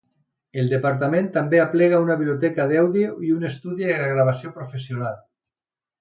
El departament també aplega una biblioteca d'àudio i un estudi de gravació professional.